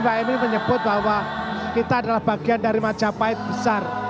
pak emil menyebut bahwa kita adalah bagian dari majapahit besar